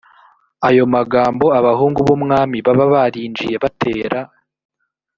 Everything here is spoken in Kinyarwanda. ayo magambo abahungu b umwami baba barinjiye batera